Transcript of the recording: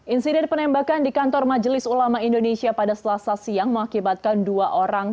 insiden penembakan di kantor majelis ulama indonesia pada selasa siang mengakibatkan dua orang